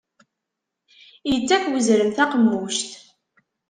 Ittak uzrem taqemmuct.